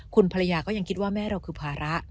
คุณภรรยาก็ยังคิดว่าแม่เราคือภาระ